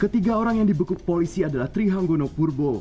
ketiga orang yang dibekuk polisi adalah trihanggono purbo